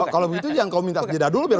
kalau begitu jangan kau minta kejadah dulu